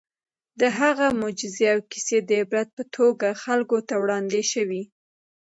د هغه معجزې او کیسې د عبرت په توګه خلکو ته وړاندې شوي.